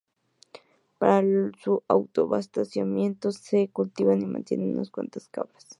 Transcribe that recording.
Para su autoabastecimiento cultivan y mantienen unas cuantas cabras.